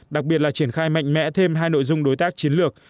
đặc biệt là triển khai mạnh mẽ thêm hai nội dung đối tác chiến lược